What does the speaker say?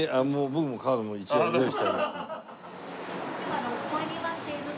僕もカード一応用意してありますので。